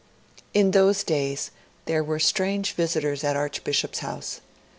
In those days, there were strange visitors at the Archbishop's House.